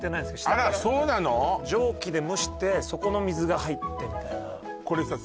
下から蒸気で蒸してそこの水が入ってみたいなこれさ